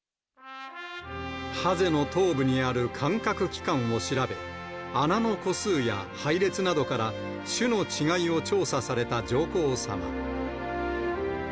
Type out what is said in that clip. ハゼの頭部にある感覚器官を調べ、穴の個数や配列などから、種の違いを調査された上皇さま。